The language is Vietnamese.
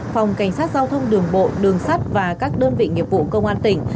phòng cảnh sát giao thông đường bộ đường sắt và các đơn vị nghiệp vụ công an tỉnh